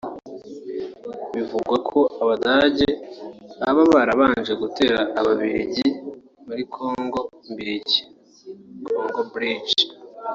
Bivugwa ko Abadage baba barabanje gutera Ababiligi muri Congo-Mbiligi (Congo-Belge